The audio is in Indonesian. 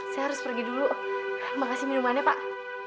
saya harus pergi dulu mengasih minumannya pak